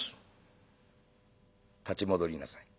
「立ち戻りなさい。